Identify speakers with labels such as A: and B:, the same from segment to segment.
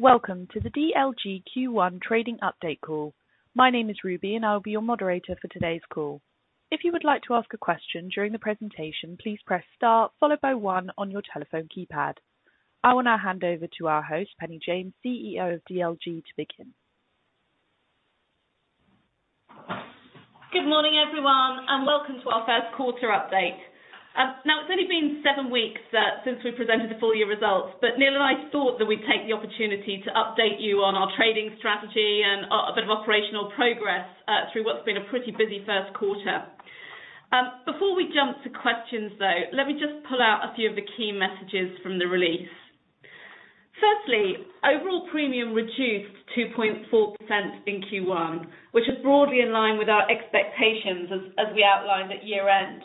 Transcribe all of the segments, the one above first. A: Welcome to the DLG Q1 trading update call. My name is Ruby and I'll be your moderator for today's call. If you would like to ask a question during the presentation, please press star followed by one on your telephone keypad. I will now hand over to our host, Penny James, CEO of DLG to begin.
B: Good morning, everyone, and welcome to our first quarter update. Now it's only been seven weeks since we presented the full year results. Neil and I thought that we'd take the opportunity to update you on our trading strategy and a bit of operational progress through what's been a pretty busy first quarter. Before we jump to questions, though, let me just pull out a few of the key messages from the release. Firstly, overall premium reduced 2.4% in Q1, which is broadly in line with our expectations as we outlined at year-end.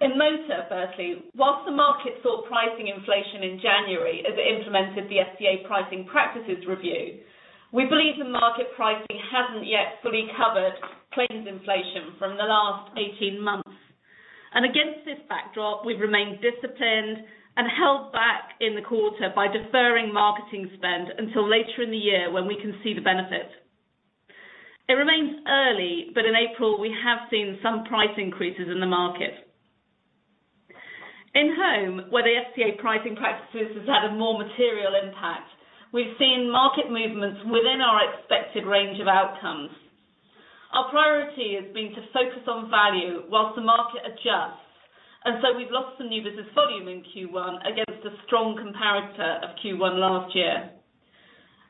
B: In motor, firstly, while the market saw pricing inflation in January as it implemented the FCA pricing practices review, we believe the market pricing hasn't yet fully covered claims inflation from the last 18 months. Against this backdrop, we've remained disciplined and held back in the quarter by deferring marketing spend until later in the year when we can see the benefit. It remains early, but in April, we have seen some price increases in the market. In home, where the FCA pricing practices has had a more material impact, we've seen market movements within our expected range of outcomes. Our priority has been to focus on value whilst the market adjusts, and so we've lost some new business volume in Q1 against the strong comparator of Q1 last year.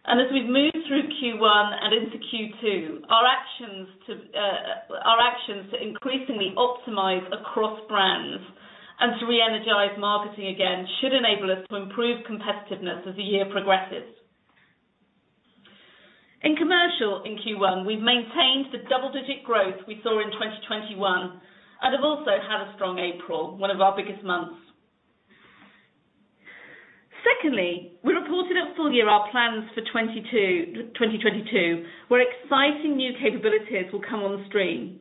B: As we've moved through Q1 and into Q2, our actions to increasingly optimize across brands and to re-energize marketing again should enable us to improve competitiveness as the year progresses. In commercial in Q1, we've maintained the double-digit growth we saw in 2021 and have also had a strong April, one of our biggest months. Secondly, we reported at full year our plans for 2022, where exciting new capabilities will come on stream.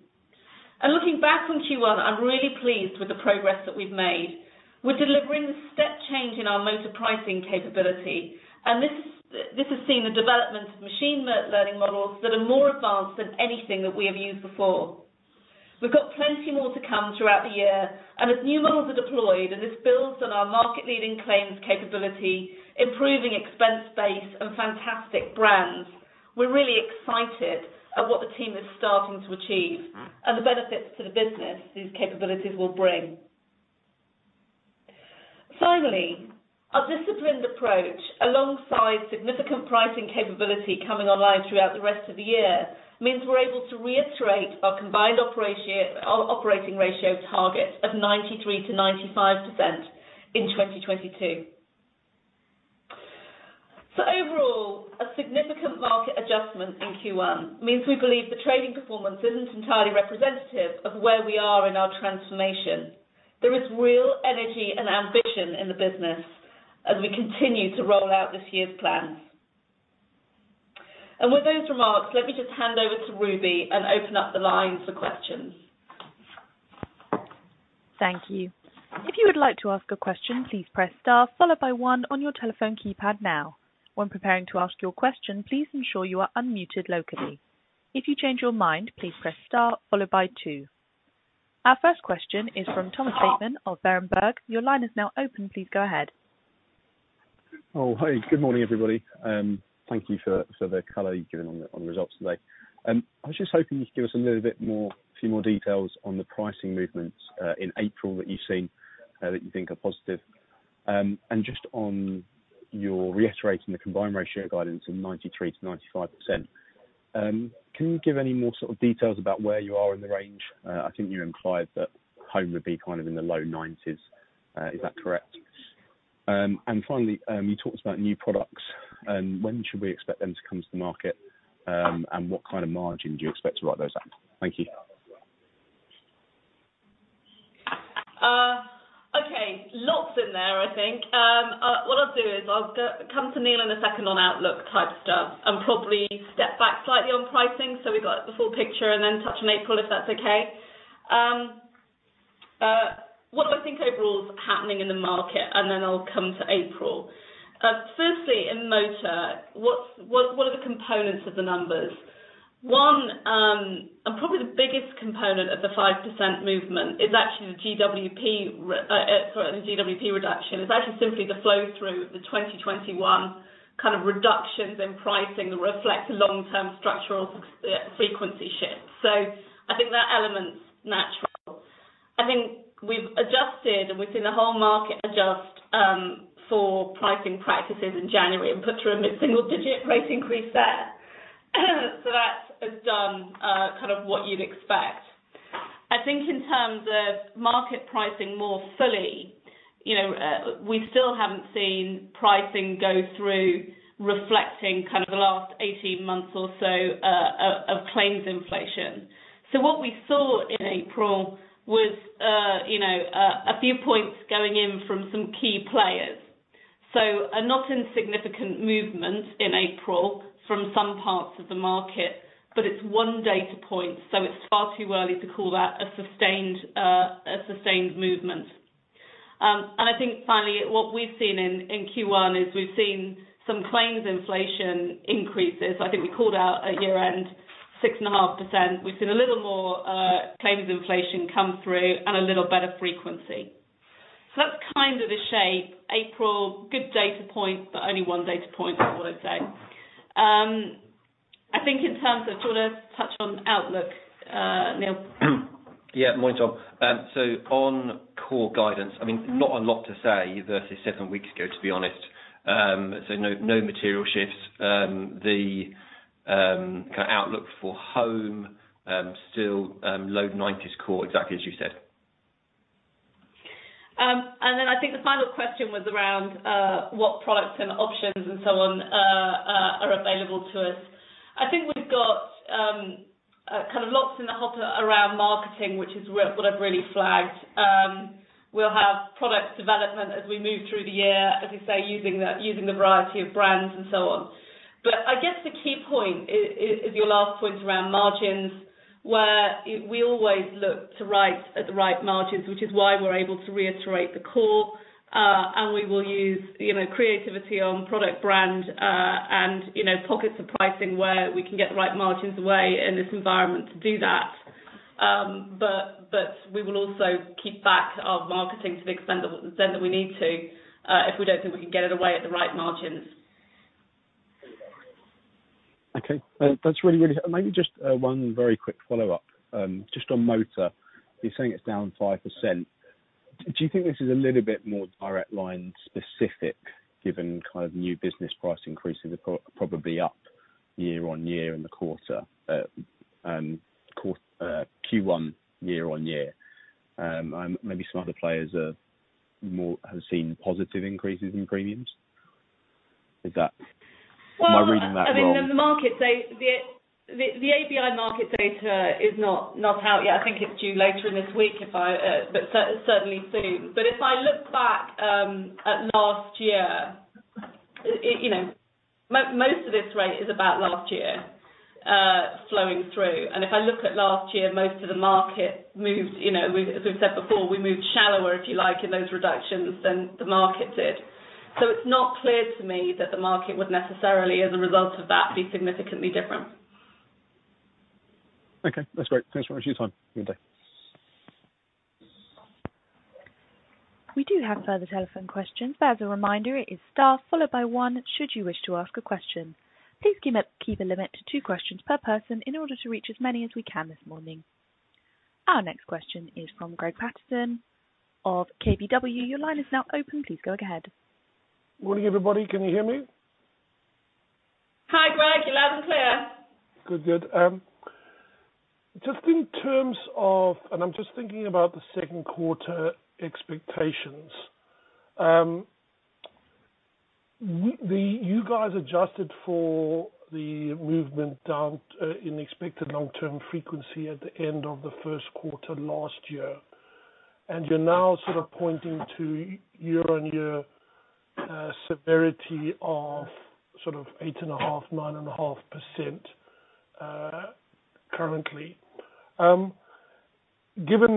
B: Looking back on Q1, I'm really pleased with the progress that we've made. We're delivering step change in our motor pricing capability, and this has seen the development of machine learning models that are more advanced than anything that we have used before. We've got plenty more to come throughout the year. As new models are deployed, and this builds on our market-leading claims capability, improving expense base and fantastic brands. We're really excited at what the team is starting to achieve and the benefits to the business these capabilities will bring. Finally, our disciplined approach, alongside significant pricing capability coming online throughout the rest of the year, means we're able to reiterate our combined operating ratio target of 93%-95% in 2022. Overall, a significant market adjustment in Q1 means we believe the trading performance isn't entirely representative of where we are in our transformation. There is real energy and ambition in the business as we continue to roll out this year's plans. With those remarks, let me just hand over to Ruby and open up the line for questions.
A: Thank you. If you would like to ask a question, please press star followed by one on your telephone keypad now. When preparing to ask your question, please ensure you are unmuted locally. If you change your mind, please press star followed by two. Our first question is from Thomas Bateman of Berenberg. Your line is now open. Please go ahead.
C: Good morning, everybody. Thank you for the color you've given on the results today. I was just hoping you could give us a little bit more, a few more details on the pricing movements in April that you've seen that you think are positive. And just on your reiterating the combined ratio guidance in 93%-95%, can you give any more sort of details about where you are in the range? I think you implied that home would be kind of in the low 90s. Is that correct? And finally, you talked about new products. When should we expect them to come to the market, and what kind of margin do you expect to write those at? Thank you.
B: Okay. Lots in there, I think. What I'll do is I'll come to Neil in a second on outlook type stuff and probably step back slightly on pricing, so we've got the full picture and then touch on April, if that's okay. What do I think overall is happening in the market? Then I'll come to April. Firstly, in motor, what are the components of the numbers? One, probably the biggest component of the 5% movement is actually the GWP reduction. It's actually simply the flow through of the 2021 kind of reductions in pricing that reflect the long-term structural frequency shift. I think that element's natural. I think we've adjusted, and we've seen the whole market adjust, for pricing practices in January and put through a mid-single digit price increase there. That has done, kind of what you'd expect. I think in terms of market pricing more fully, you know, we still haven't seen pricing go through reflecting kind of the last 18 months or so, of claims inflation. What we saw in April was, you know, a few points going in from some key players. A not insignificant movement in April from some parts of the market, but it's one data point, so it's far too early to call that a sustained, a sustained movement. I think finally, what we've seen in Q1 is we've seen some claims inflation increases. I think we called out at year-end 6.5%. We've seen a little more claims inflation come through and a little better frequency. That's kind of the shape. April, good data point, but only one data point is what I'd say. I think in terms of sort of touch on outlook, Neil.
D: Yeah. Morning, Tom. On core guidance, I mean, not a lot to say versus seven weeks ago, to be honest. No material shifts. The kind of outlook for home still low 90s COR, exactly as you said.
B: Then I think the final question was around what products and options and so on are available to us. I think we've got kind of lots in the hopper around marketing, which is where what I've really flagged. We'll have product development as we move through the year, as we say, using the variety of brands and so on. I guess the key point is your last point around margins, where we always look to write at the right margins, which is why we're able to reiterate the core. We will use, you know, creativity on product brand, and, you know, pockets of pricing where we can get the right margins away in this environment to do that. We will also keep back our marketing to the extent that we need to, if we don't think we can get it away at the right margins.
C: Okay. That's really. Maybe just one very quick follow-up, just on motor. You're saying it's down 5%. Do you think this is a little bit more Direct Line specific given kind of new business price increases are probably up year-over-year in the quarter, Q1 year-over-year? Maybe some other players are more have seen positive increases in premiums. Is that. Am I reading that wrong?
B: I mean, the market says the ABI market data is not out yet. I think it's due later in this week but certainly soon. If I look back at last year, you know, most of this rate is about last year flowing through. If I look at last year, most of the market moved, you know, we've, as we've said before, we moved shallower, if you like, in those reductions than the market did. It's not clear to me that the market would necessarily as a result of that be significantly different.
C: Okay, that's great. Thanks very much for your time. Good day.
A: We do have further telephone questions. As a reminder, it is star followed by one, should you wish to ask a question. Please keep a limit to two questions per person in order to reach as many as we can this morning. Our next question is from Greig Paterson of KBW. Your line is now open. Please go ahead.
E: Morning, everybody. Can you hear me?
B: Hi, Greig. You're loud and clear.
E: Good. Just in terms of, I'm just thinking about the second quarter expectations. You guys adjusted for the movement down in expected long-term frequency at the end of the first quarter last year, and you're now sort of pointing to year-on-year severity of sort of 8.5%-9.5%, currently. Given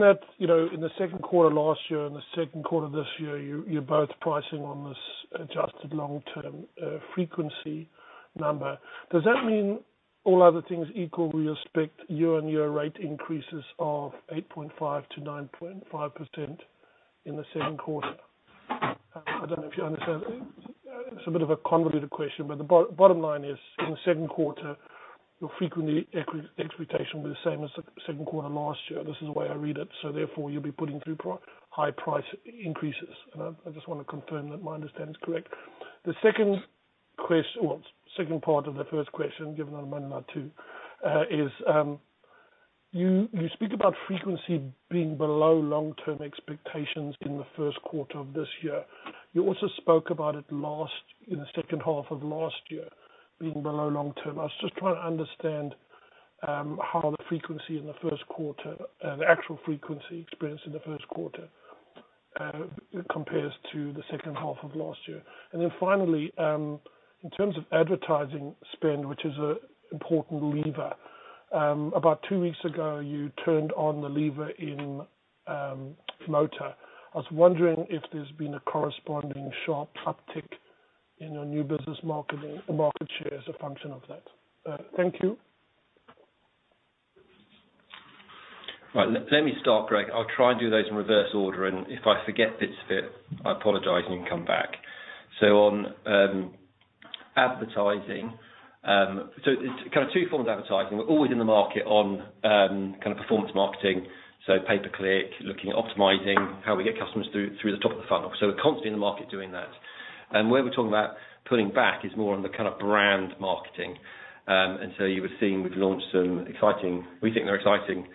E: that, you know, in the second quarter last year and the second quarter this year, you're both pricing on this adjusted long-term frequency number, does that mean all other things equal, we expect year-on-year rate increases of 8.5%-9.5% in the second quarter? I don't know if you understand. It's a bit of a convoluted question, but the bottom line is, in the second quarter, your frequency expectation will be the same as the second quarter last year. This is the way I read it. Therefore, you'll be putting through high price increases. I just want to confirm that my understanding is correct. The second question well, second part of the first question, given I'm running out of two, is, you speak about frequency being below long term expectations in the first quarter of this year. You also spoke about it last, in the second half of last year being below long term. I was just trying to understand, how the frequency in the first quarter, the actual frequency experienced in the first quarter, compares to the second half of last year. Finally, in terms of advertising spend, which is an important lever, about two weeks ago, you turned on the lever in motor. I was wondering if there's been a corresponding sharp uptick in your new business marketing, market share as a function of that. Thank you.
D: Right. Let me start, Greig. I'll try and do those in reverse order, and if I forget bits of it, I apologize and come back. On advertising, it's kind of two forms of advertising. We're always in the market on kind of performance marketing, so pay per click, looking at optimizing how we get customers through the top of the funnel. We're constantly in the market doing that. Where we're talking about pulling back is more on the kind of brand marketing. You would have seen we've launched some exciting, we think they're exciting,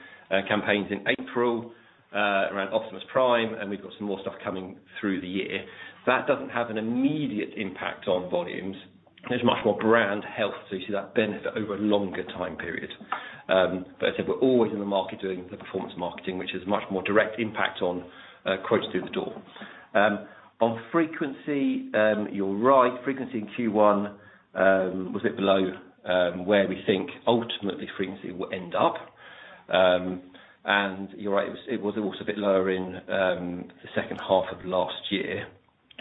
D: campaigns in April, around Optimus Prime, and we've got some more stuff coming throughout the year. That doesn't have an immediate impact on volumes. There's much more brand health, so you see that benefit over a longer time period. As I said, we're always in the market doing the performance marketing, which has much more direct impact on quotes through the door. On frequency, you're right. Frequency in Q1 was a bit below where we think ultimately frequency will end up. You're right, it was also a bit lower in the second half of last year.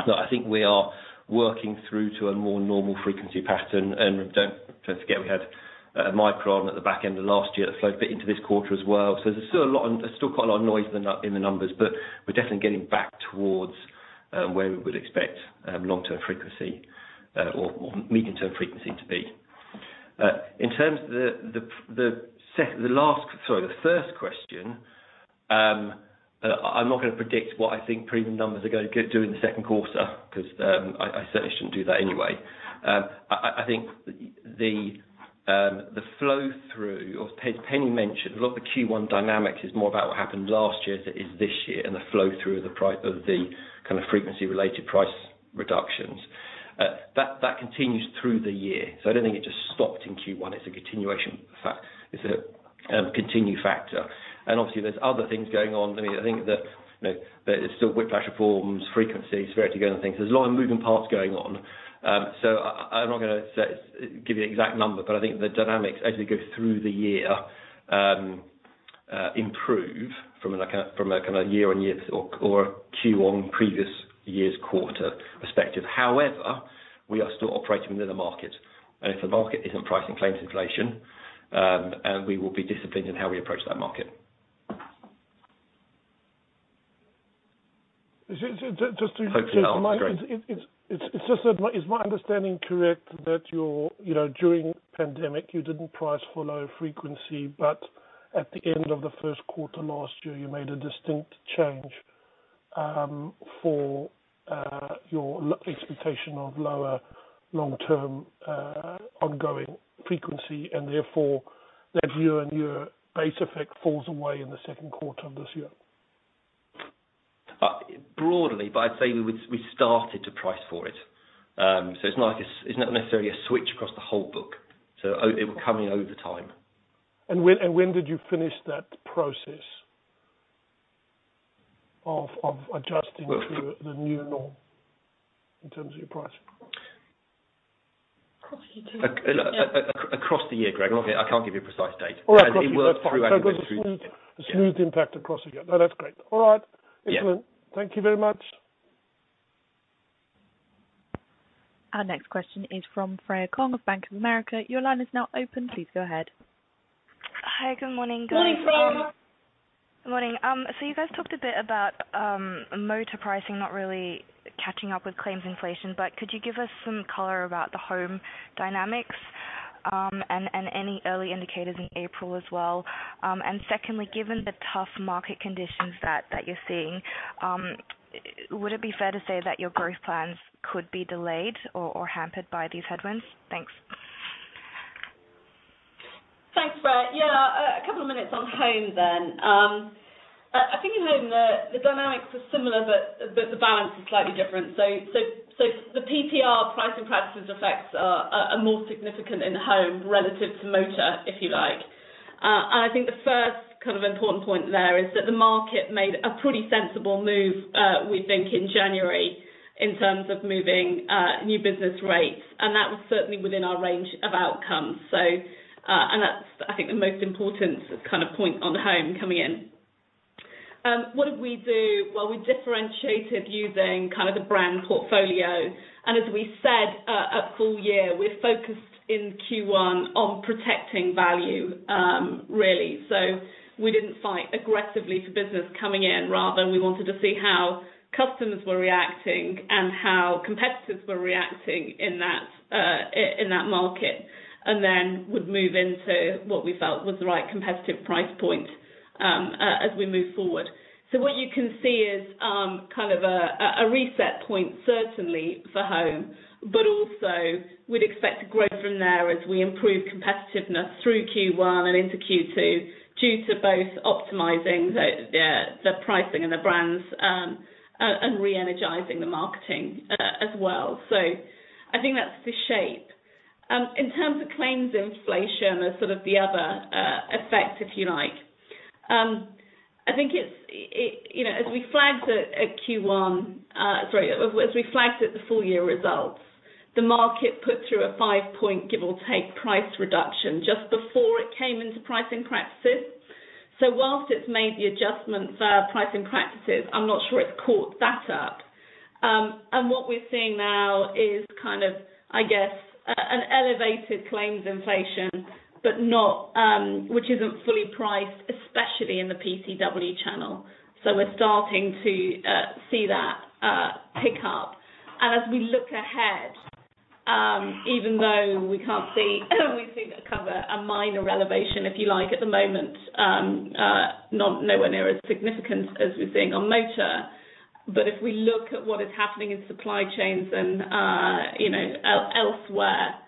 D: I think we are working through to a more normal frequency pattern. Don't forget we had Omicron at the back end of last year that flowed a bit into this quarter as well. There's still quite a lot of noise in the numbers, but we're definitely getting back towards where we would expect long-term frequency or medium-term frequency to be. In terms of the first question, I'm not gonna predict what I think premium numbers are gonna do in the second quarter 'cause I think the flow through, or as Penny mentioned, a lot of the Q1 dynamics is more about what happened last year as it is this year and the flow through of the frequency related price reductions. That continues through the year. I don't think it just stopped in Q1. It's a continuation factor. It's a continuing factor. Obviously there's other things going on. I mean, I think that, you know, there is still Whiplash Reforms, frequencies, variety of other things. There's a lot of moving parts going on. I'm not gonna give you an exact number, but I think the dynamics as we go through the year improve from a kind of year-on-year or Q1 previous year's quarter perspective. However, we are still operating within a market. If the market isn't pricing claims inflation, we will be disciplined in how we approach that market.
E: Is it just to-
D: Hope to help. Sorry.
E: It's just that. Is my understanding correct that your... You know, during pandemic, you didn't price for low frequency, but at the end of the first quarter last year, you made a distinct change for your long-term expectation of lower long-term ongoing frequency. Therefore that year-on-year base effect falls away in the second quarter of this year.
D: Broadly, but I'd say we started to price for it. It's not necessarily a switch across the whole book. It will come in over the time.
E: When did you finish that process of adjusting to the new norm in terms of your pricing?
B: Across Q2.
D: Across the year, Greig. I can't give you a precise date.
E: All right.
D: It worked throughout and through. Yeah.
E: A smooth impact across the year. No, that's great. All right.
D: Yeah.
E: Excellent. Thank you very much.
A: Our next question is from Freya Kong of Bank of America. Your line is now open. Please go ahead.
F: Hi. Good morning, guys.
B: Morning, Freya.
F: Good morning. You guys talked a bit about motor pricing not really catching up with claims inflation, but could you give us some color about the home dynamics and any early indicators in April as well? Secondly, given the tough market conditions that you're seeing, would it be fair to say that your growth plans could be delayed or hampered by these headwinds? Thanks.
B: Thanks, Freya. Yeah. A couple of minutes on home then. I think in home the dynamics are similar, but the balance is slightly different. The PPR pricing practices effects are more significant in Home relative to Motor, if you like. I think the first kind of important point there is that the market made a pretty sensible move, we think in January in terms of moving new business rates, and that was certainly within our range of outcomes. That's, I think the most important kind of point on the Home coming in. What did we do? Well, we differentiated using kind of the brand portfolio. As we said at full year, we're focused in Q1 on protecting value, really. We didn't fight aggressively for business coming in. Rather, we wanted to see how customers were reacting and how competitors were reacting in that market, and then would move into what we felt was the right competitive price point, as we move forward. What you can see is kind of a reset point certainly for Home. Also we'd expect growth from there as we improve competitiveness through Q1 and into Q2, due to both optimizing the pricing and the brands, and re-energizing the marketing, as well. I think that's the shape. In terms of claims inflation as sort of the other effect, if you like, I think it's, you know, as we flagged it at Q1. As we flagged it at the full year results, the market put through a 5-point give or take price reduction just before it came into pricing practices. Whilst it's made the adjustments, pricing practices, I'm not sure it's caught that up. What we're seeing now is kind of, I guess, an elevated claims inflation which isn't fully priced, especially in the PCW channel. We're starting to see that pick up. As we look ahead, even though we can see a minor elevation, if you like, at the moment, not nowhere near as significant as we're seeing on Motor. If we look at what is happening in supply chains and, you know, elsewhere,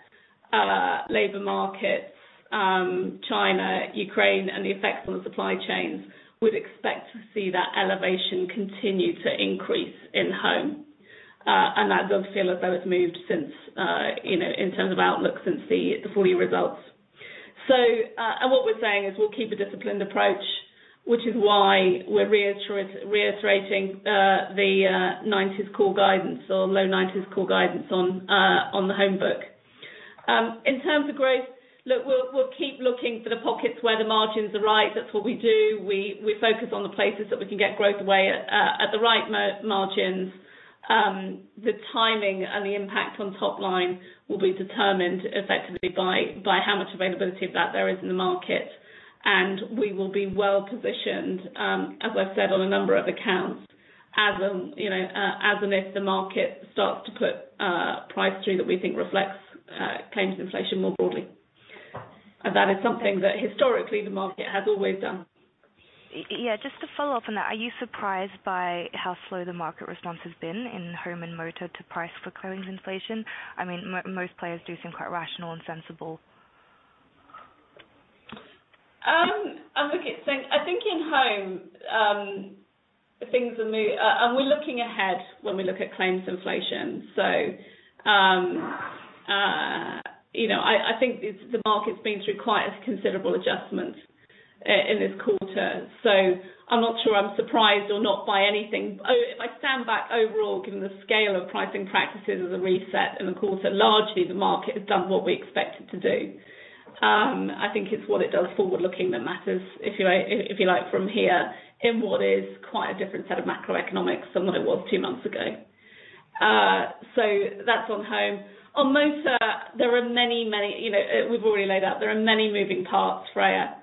B: labor markets, China, Ukraine, and the effects on the supply chains, we'd expect to see that elevation continue to increase in home. And that does feel as though it's moved since, you know, in terms of outlook since the full year results. What we're saying is we'll keep a disciplined approach, which is why we're reiterating the 90s core guidance or low 90s core guidance on the home book. In terms of growth, look, we'll keep looking for the pockets where the margins are right. That's what we do. We focus on the places that we can get growth at the right margins. The timing and the impact on top line will be determined effectively by how much availability of that there is in the market. We will be well positioned, as I've said on a number of accounts, you know, as and if the market starts to put price through that we think reflects claims inflation more broadly. That is something that historically the market has always done.
F: Yeah. Just to follow up on that, are you surprised by how slow the market response has been in home and motor to price for claims inflation? I mean, most players do seem quite rational and sensible.
B: I'm looking. I think in home, things are, and we're looking ahead when we look at claims inflation. You know, I think it's the market's been through quite a considerable adjustment in this quarter. I'm not sure I'm surprised or not by anything. If I stand back overall given the scale of pricing practices as a reset in the quarter, largely the market has done what we expect it to do. I think it's what it does forward looking that matters, if you like from here in what is quite a different set of macroeconomics from what it was two months ago. That's on home. On motor there are many. You know, we've already laid out there are many moving parts, Freya.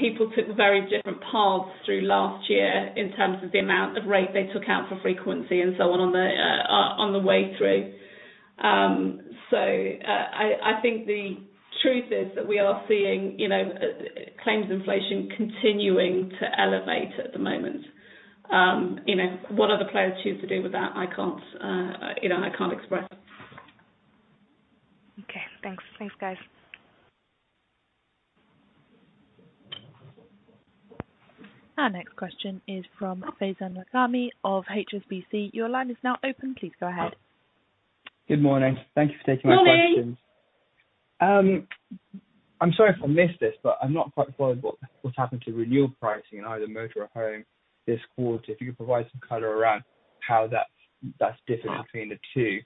B: People took very different paths through last year in terms of the amount of rate they took out for frequency and so on the way through. I think the truth is that we are seeing, you know, claims inflation continuing to elevate at the moment. You know, what other players choose to do with that I can't, you know, I can't express.
F: Okay, thanks. Thanks, guys.
A: Our next question is from Faizan Lakhani of HSBC. Your line is now open. Please go ahead.
G: Good morning. Thank you for taking my questions.
B: Morning.
G: I'm sorry if I missed this, but I've not quite followed what's happened to renewal pricing in either motor or home this quarter. If you could provide some color around how that's different between the two.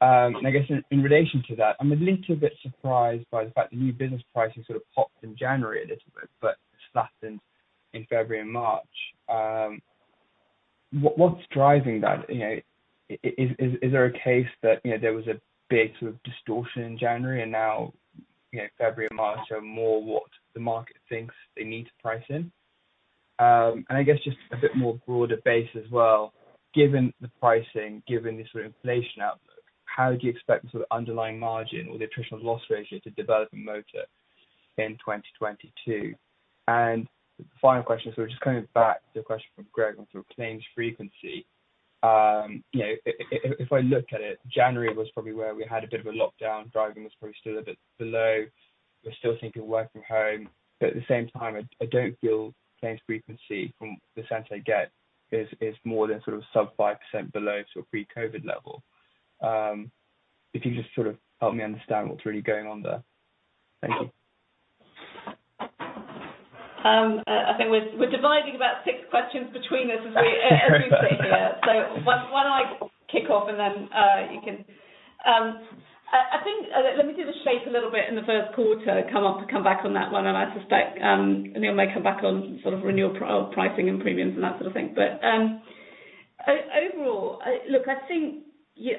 G: I guess in relation to that, I'm a little bit surprised by the fact the new business pricing sort of popped in January a little bit, but flattened in February and March. What's driving that, you know? Is there a case that, you know, there was a big sort of distortion in January and now, you know, February and March are more what the market thinks they need to price in? I guess just a bit more broader base as well, given the pricing, given the sort of inflation outlook, how do you expect the sort of underlying margin or the attritional loss ratio to develop in motor in 2022? The final question, so just coming back to the question from Greig on sort of claims frequency. You know, if I look at it, January was probably where we had a bit of a lockdown. Driving was probably still a bit below. We're still thinking working from home. But at the same time I don't feel claims frequency from the sense I get is more than sort of sub 5% below sort of pre-COVID level. If you could just sort of help me understand what's really going on there. Thank you.
B: I think we're dividing about six questions between us as we sit here. Why don't I kick off and then you can. I think. Let me do the shape a little bit in the first quarter, come back on that one. I suspect Neil may come back on sort of renewal pricing and premiums and that sort of thing. Overall, look, I think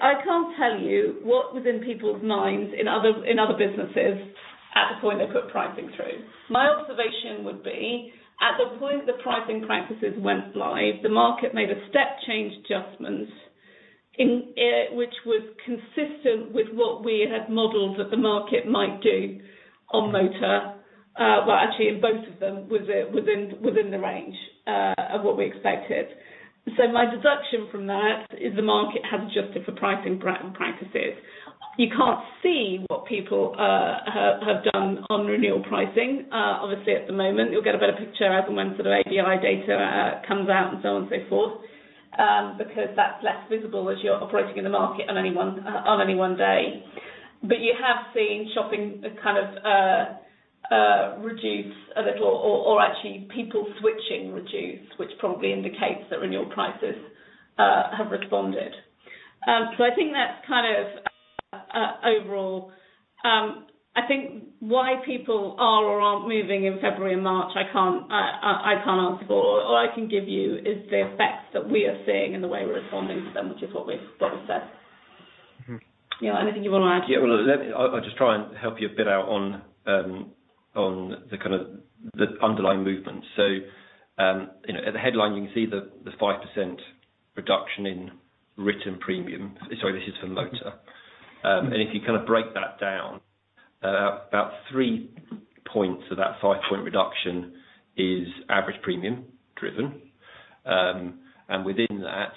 B: I can't tell you what was in people's minds in other businesses at the point they put pricing through. My observation would be at the point the pricing practices went live, the market made a step change adjustment in which was consistent with what we had modeled that the market might do on motor, well, actually in both of them within the range of what we expected. My deduction from that is the market has adjusted for pricing practices. You can't see what people have done on renewal pricing, obviously at the moment. You'll get a better picture as and when sort of API data comes out and so on and so forth, because that's less visible as you're operating in the market on any one day. You have seen shopping kind of reduce a little or actually people switching reduce, which probably indicates that renewal prices have responded. I think that's kind of overall. I think why people are or aren't moving in February and March, I can't answer for. All I can give you is the effects that we are seeing and the way we're responding to them, which is what we've said.
G: Mm-hmm.
B: Neil, anything you wanna add?
D: Well, let me. I'll just try and help you a bit out on the kind of the underlying movement. So, you know, at the headline you can see the 5% reduction in written premium. Sorry, this is for motor. And if you kind of break that down, about 3 points of that 5-point reduction is average premium driven. And within that,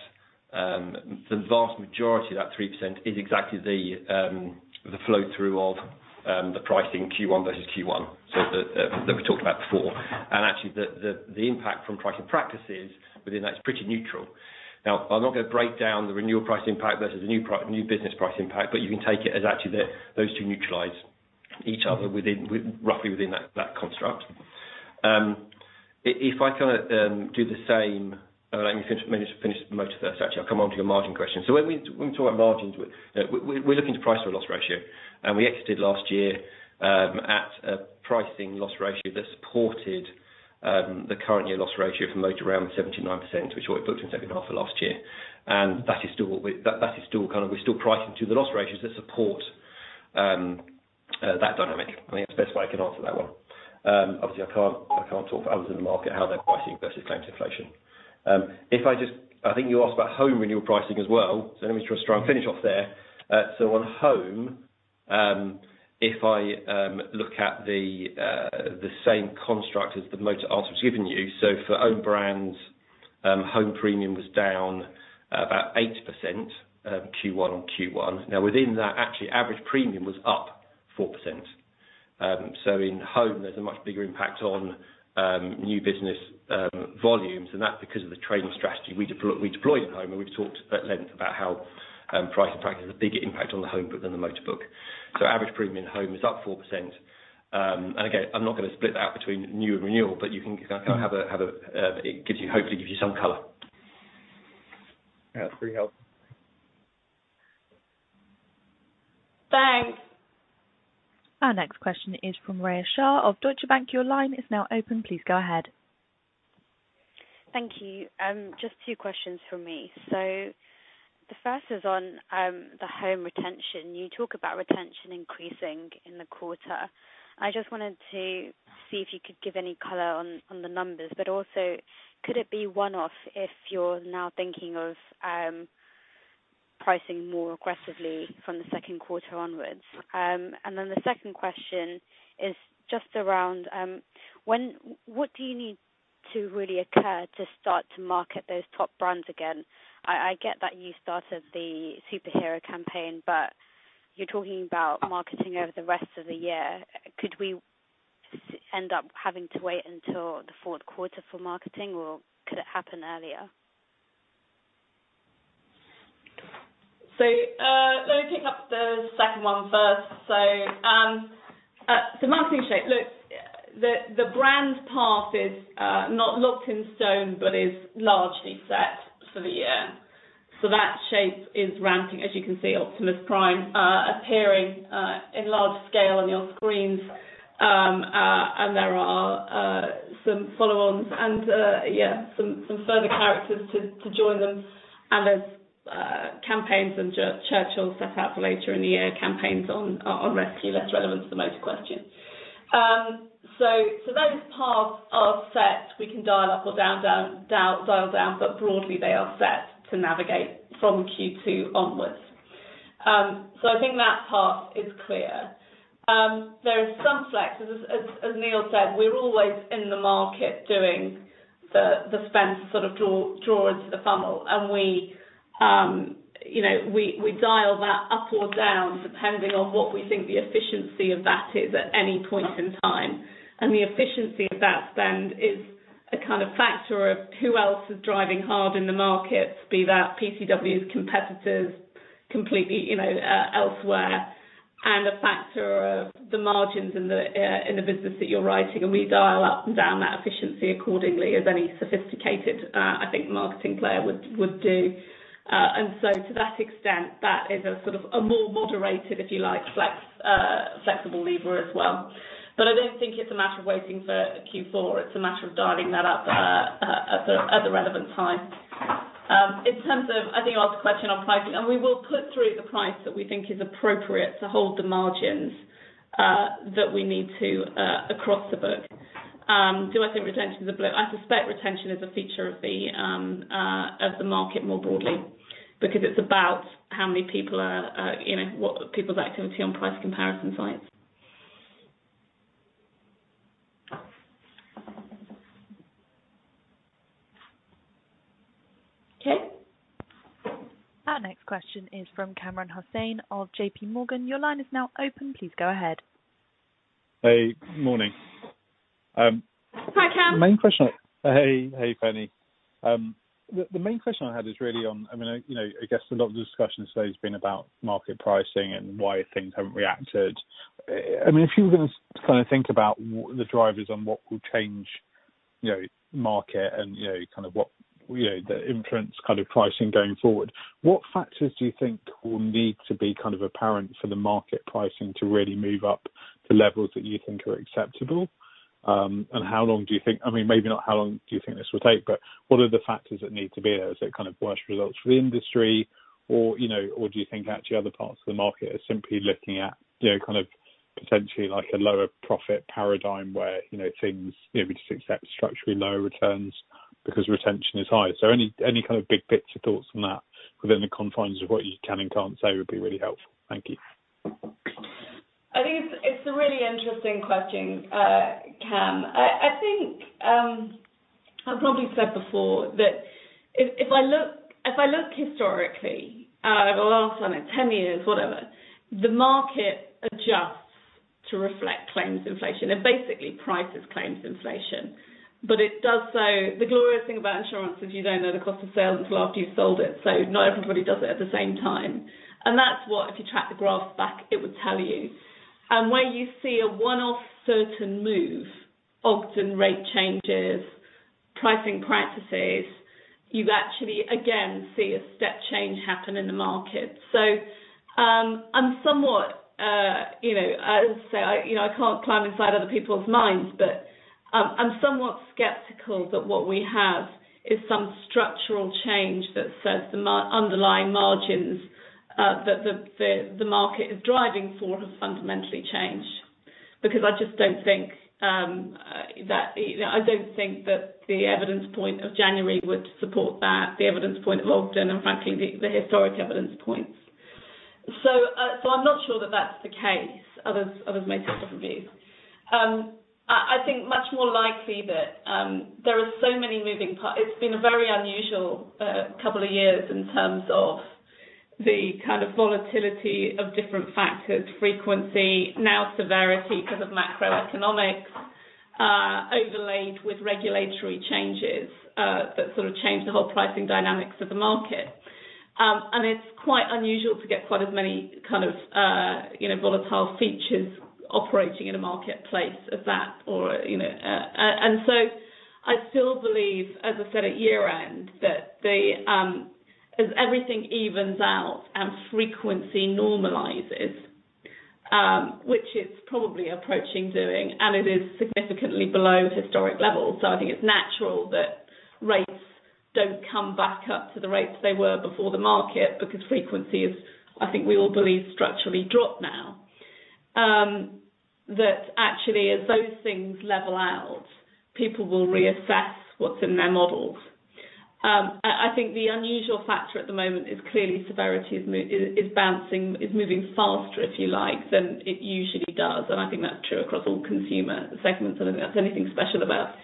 D: the vast majority of that 3% is exactly the flow through of the pricing Q1 versus Q1. So that we talked about before. Actually the impact from pricing practices within that is pretty neutral. Now, I'm not gonna break down the renewal price impact versus the new business price impact, but you can take it as actually those two neutralize each other roughly within that construct. If I kinda do the same, let me finish Motor first. Actually, I'll come on to your margin question. When we talk about margins, we're looking to price for a loss ratio. We exited last year at a pricing loss ratio that supported the current year loss ratio for Motor around 79%, which is what we booked in second half of last year. That is still kind of. We're still pricing to the loss ratios that support that dynamic. I think that's the best way I can answer that one. Obviously, I can't talk for others in the market, how they're pricing versus claims inflation. I think you asked about home renewal pricing as well, so let me just try and finish off there. On home, if I look at the same construct as the motor answer I've given you. For own brands, home premium was down about 8%, Q1 on Q1. Now, within that, actually, average premium was up 4%. In home, there's a much bigger impact on new business volumes, and that's because of the trading strategy we deployed at home. We've talked at length about how pricing practices has a bigger impact on the home book than the motor book. Average premium in home is up 4%. Again, I'm not gonna split that between new and renewal, but you can kind of have a, it gives you, hopefully gives you some color.
G: Yeah, that's pretty helpful.
B: Thanks.
A: Our next question is from Rhea Shah of Deutsche Bank. Your line is now open. Please go ahead.
H: Thank you. Just two questions from me. The first is on the home retention. You talk about retention increasing in the quarter. I just wanted to see if you could give any color on the numbers, but also could it be one-off if you're now thinking of pricing more aggressively from the second quarter onwards? The second question is just around what do you need to really occur to start to market those top brands again? I get that you started the superhero campaign, but you're talking about marketing over the rest of the year. Could we end up having to wait until the fourth quarter for marketing, or could it happen earlier?
B: Let me pick up the second one first. Marketing shape. Look, the brand path is not locked in stone, but is largely set for the year. That shape is ramping. As you can see, Optimus Prime appearing in large scale on your screens. There are some follow-ons and some further characters to join them. There are campaigns on Churchill set out for later in the year, campaigns on Rescue, less relevant to the Motor question. Those paths are set. We can dial up or down, but broadly, they are set to navigate from Q2 onwards. I think that part is clear. There is some flex. As Neil said, we're always in the market doing the spend sort of draw into the funnel. We, you know, dial that up or down depending on what we think the efficiency of that is at any point in time. The efficiency of that spend is a kind of factor of who else is driving hard in the market, be that PCW's competitors completely, you know, elsewhere, and a factor of the margins in the business that you're writing. We dial up and down that efficiency accordingly as any sophisticated, I think, marketing player would do. To that extent, that is a sort of a more moderated, if you like, flex, flexible lever as well. I don't think it's a matter of waiting for Q4. It's a matter of dialing that up at the relevant time. In terms of, I think you asked a question on pricing, and we will put through the price that we think is appropriate to hold the margins that we need to across the book. Do I think retention is a blow? I suspect retention is a feature of the market more broadly because it's about how many people are, you know, what people's activity on price comparison sites.
H: Okay.
A: Our next question is from Kamran Hossain of J.P. Morgan. Your line is now open. Please go ahead.
I: Hey. Morning.
B: Hi, Kam.
I: Hey. Hey, Penny. The main question I had is really on, I mean, you know, I guess a lot of the discussion today has been about market pricing and why things haven't reacted. I mean, if you were gonna kinda think about the drivers on what will change, you know, market and, you know, kind of what, you know, the insurance pricing going forward, what factors do you think will need to be kind of apparent for the market pricing to really move up to levels that you think are acceptable? And how long do you think this will take, I mean, maybe not how long do you think this will take, but what are the factors that need to be there? Is it kind of worse results for the industry? You know, or do you think actually other parts of the market are simply looking at, you know, kind of potentially like a lower profit paradigm where, you know, things, you know, we just accept structurally lower returns because retention is high. Any kind of big picture thoughts on that within the confines of what you can and can't say would be really helpful. Thank you.
B: A really interesting question, Kam. I think I probably said before that if I look historically over the last, I don't know, 10 years, whatever, the market adjusts to reflect claims inflation. It basically prices claims inflation. But it does so. The glorious thing about insurance is you don't know the cost of sales until after you've sold it, so not everybody does it at the same time. That's what, if you track the graph back, it would tell you. Where you see a one-off certain move, Ogden rate changes, pricing practices, you actually again see a step change happen in the market. I'm somewhat you know, as I say, you know, I can't climb inside other people's minds, but I'm somewhat skeptical that what we have is some structural change that says the underlying margins that the market is driving for has fundamentally changed. Because I just don't think that you know, I don't think that the evidence point of January would support that, the evidence point of Ogden, and frankly, the historic evidence points. I'm not sure that that's the case. Others may take a different view. I think much more likely that there are so many moving parts. It's been a very unusual couple of years in terms of the kind of volatility of different factors, frequency, now severity because of macroeconomics, overlaid with regulatory changes, that sort of change the whole pricing dynamics of the market. It's quite unusual to get quite as many kind of, you know, volatile features operating in a marketplace as that or, you know. I still believe, as I said at year-end, that as everything evens out and frequency normalizes, which it's probably approaching doing, and it is significantly below historic levels, so I think it's natural that rates don't come back up to the rates they were before the market because frequency is, I think we all believe, structurally dropped now that actually as those things level out, people will reassess what's in their models. I think the unusual factor at the moment is clearly severity is bouncing, is moving faster, if you like, than it usually does. I think that's true across all consumer segments. I don't think that's anything special about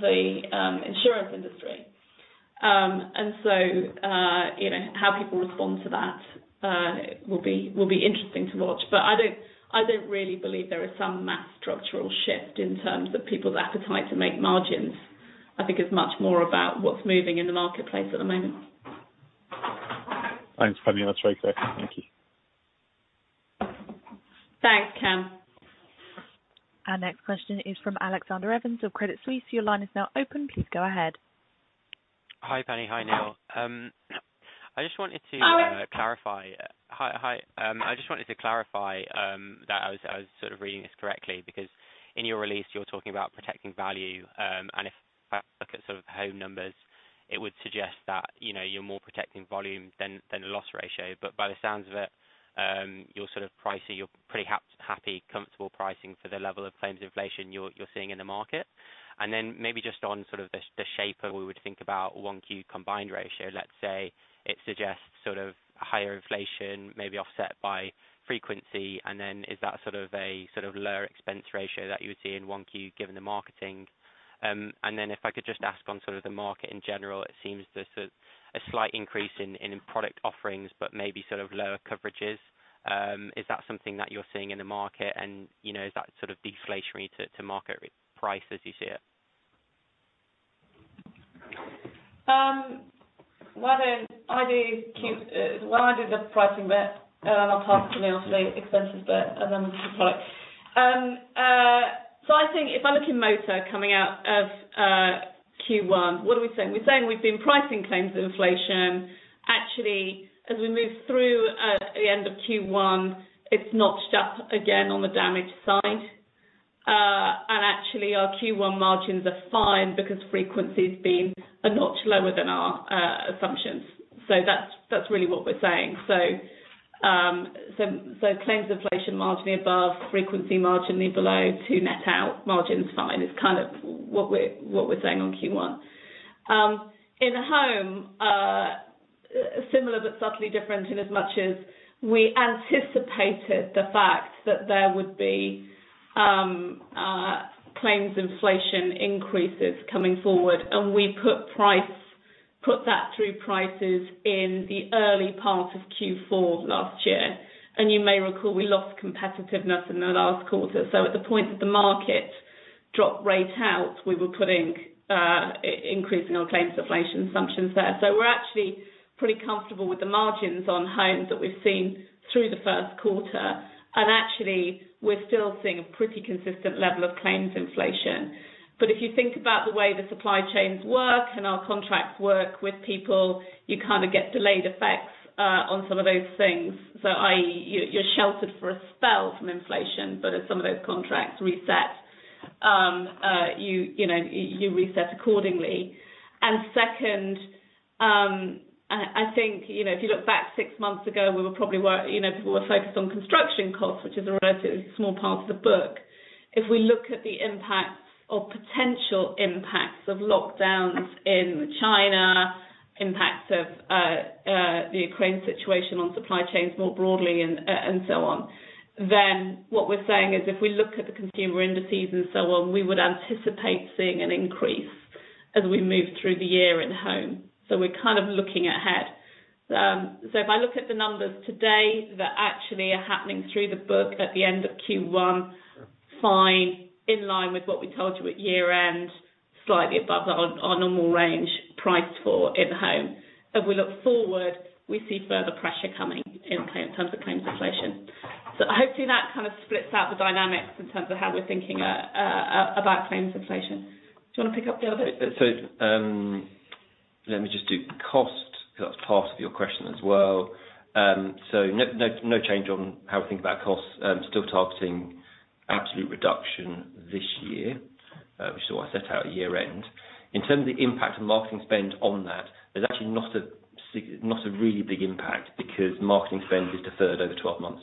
B: the insurance industry. You know, how people respond to that will be interesting to watch. I don't really believe there is some mass structural shift in terms of people's appetite to make margins. I think it's much more about what's moving in the marketplace at the moment.
I: Thanks, Penny. That's very clear. Thank you.
B: Thanks, Kam.
A: Our next question is from Alexander Evans of Credit Suisse. Your line is now open. Please go ahead.
J: Hi, Penny. Hi, Neil. I just wanted to.
B: Alex.
J: Clarify. Hi, hi. I just wanted to clarify that I was sort of reading this correctly because in your release you're talking about protecting value, and if I look at sort of the home numbers, it would suggest that, you know, you're more protecting volume than the loss ratio. By the sounds of it, you're sort of pricing. You're pretty happy, comfortable pricing for the level of claims inflation you're seeing in the market. Then maybe just on sort of the shape of what we would think about 1Q combined ratio. Let's say it suggests sort of higher inflation, maybe offset by frequency, and then is that sort of a lower expense ratio that you would see in 1Q given the marketing? If I could just ask on sort of the market in general, it seems there's a slight increase in product offerings, but maybe sort of lower coverages. Is that something that you're seeing in the market? You know, is that sort of deflationary to market price as you see it?
B: Well, then I do the pricing bit, and I'll pass to Neil for the expenses bit and then product. I think if I look in motor coming out of Q1, what are we saying? We're saying we've been pricing for claims inflation. Actually, as we move through the end of Q1, it's notched up again on the damage side. Actually, our Q1 margins are fine because frequency's been a notch lower than our assumptions. That's really what we're saying. Claims inflation marginally above, frequency marginally below, they net out, margin's fine, is kind of what we're saying on Q1. In the home, similar but subtly different in as much as we anticipated the fact that there would be claims inflation increases coming forward, and we put that through prices in the early part of Q4 last year. You may recall we lost competitiveness in the last quarter. At the point that the market dropped rates out, we were putting increasing our claims inflation assumptions there. We're actually pretty comfortable with the margins on homes that we've seen through the first quarter. Actually, we're still seeing a pretty consistent level of claims inflation. If you think about the way the supply chains work and our contracts work with people, you kinda get delayed effects on some of those things. i.e., you're sheltered for a spell from inflation, but as some of those contracts reset, you know, you reset accordingly. Second, I think, you know, if you look back six months ago, we were probably, you know, people were focused on construction costs, which is a relatively small part of the book. If we look at the impacts or potential impacts of lockdowns in China, impacts of the Ukraine situation on supply chains more broadly and so on. What we're saying is if we look at the consumer indices and so on, we would anticipate seeing an increase as we move through the year in home. We're kind of looking ahead. If I look at the numbers today that actually are happening through the book at the end of Q1, fine, in line with what we told you at year end, slightly above our normal range price for in home. If we look forward, we see further pressure coming in terms of claims inflation. Hopefully that kind of splits out the dynamics in terms of how we're thinking about claims inflation. Do you want to pick up the other bit?
D: Let me just do cost because that's part of your question as well. No change on how we think about costs. Still targeting absolute reduction this year, which is what I set out at year end. In terms of the impact of marketing spend on that, there's actually not a really big impact because marketing spend is deferred over 12 months.